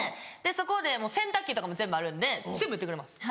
そこで洗濯機とかも全部あるんで全部やってくれます。